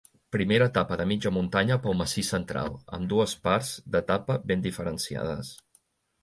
Primera etapa de mitja muntanya pel massís Central, amb dues parts d'etapa ben diferenciades.